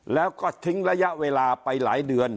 แล้วก็ทิ้งระยะเวลาไปหลายเดือน